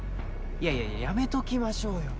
いやいやいややめときましょうよ。